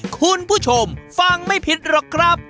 คุณผู้ชมฟังไม่ผิดหรอกครับ